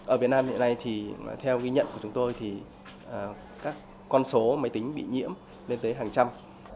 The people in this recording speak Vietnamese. ở việt nam hiện nay thì theo ghi nhận của chúng tôi thì các con số máy tính bị nhiễm lên tới hàng trăm